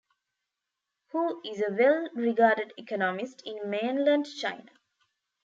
Hu is a well-regarded economist in mainland China.